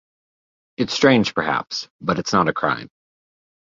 It's strange, perhaps, but it's not a crime.